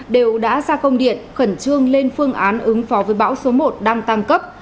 đều đã ra công điện khẩn trương lên phương án ứng phó với bão số một đang tăng cấp